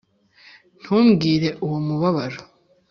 ntumbwire, uwo mubabaro,